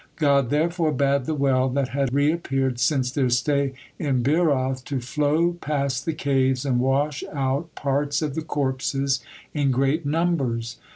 God therefore bade the well that had reappeared since their stay in Beeroth to flow past the caves and wash out parts of the corpses in great numbers.